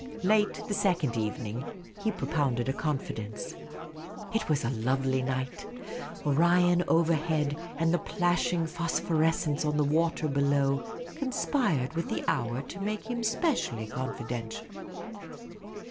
Late the second evening he propounded a confidence. It was a lovely night ; Orion overhead, and the plashing phosphorescence on the water below conspired v;it.h the hour to make him specially confidential.